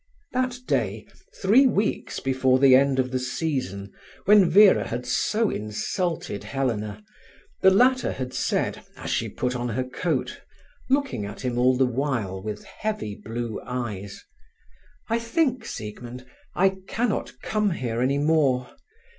That day, three weeks before the end of the season, when Vera had so insulted Helena, the latter had said, as she put on her coat, looking at him all the while with heavy blue eyes: "I think, Siegmund, I cannot come here any more.